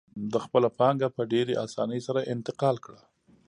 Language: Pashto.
ده خپله پانګه په ډېرې اسانۍ سره انتقال کړه.